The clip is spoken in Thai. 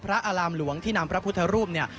อารามหลวงที่นำพระพุทธรูปเนี่ย